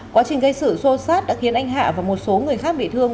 quá trình gây sự xô xát đã khiến anh hạ và một số người khác bị thương